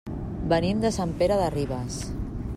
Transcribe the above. Venim de Sant Pere de Ribes.